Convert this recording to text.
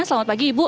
selamat pagi ibu